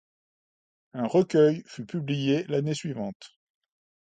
Un recueil fut publié l'année suivante.